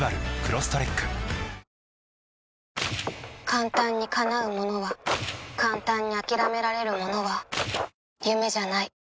簡単にかなうものは簡単に諦められるものは夢じゃない